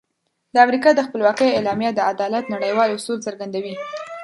د امریکا د خپلواکۍ اعلامیه د عدالت نړیوال اصول څرګندوي.